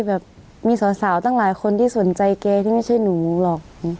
แบบมีสาวตั้งหลายคนที่สนใจแกที่ไม่ใช่หนูหรอก